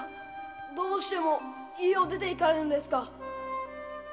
〔どうしても家を出ていかれるのですか〕